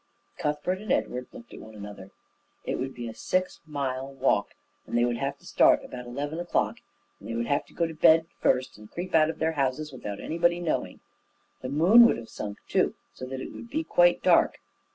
Cuthbert and Edward looked at one another. It would be a six mile walk, and they would have to start about eleven o'clock, and they would have to go to bed first and creep out of their houses without anybody knowing. The moon would have sunk, too, so that it would be quite dark.